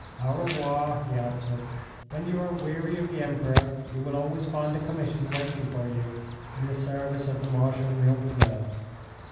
'Au revoir,' he answered. 'When you are weary of the Emperor, you will always find a commission waiting for you in the service of the Marshal Millefleurs.'